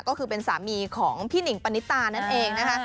ก็คือเป็นสามีของพี่หนิงปณิตานั่นเองนะคะ